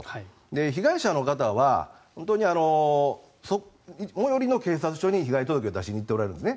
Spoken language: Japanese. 被害者の方は、本当に最寄りの警察署に被害届を出しに行っておられるんですね。